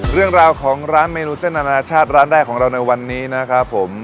เรื่องราวของร้านเมนูเส้นอนาชาติร้านแรกของเราในวันนี้นะครับผม